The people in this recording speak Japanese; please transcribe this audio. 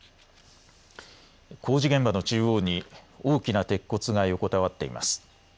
工事現場の中央に大きな鉄骨が横たわっています。